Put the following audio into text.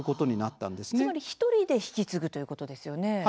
つまり１人で引き継ぐということですよね。